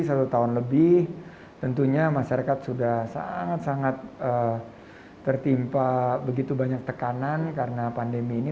satu tahun lebih tentunya masyarakat sudah sangat sangat tertimpa begitu banyak tekanan karena pandemi ini